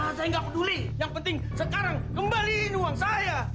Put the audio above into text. karena saya nggak peduli yang penting sekarang kembaliin uang saya